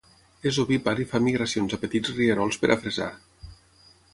És ovípar i fa migracions a petits rierols per a fresar.